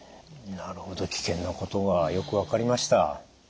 なるほど危険なことがよく分かりました。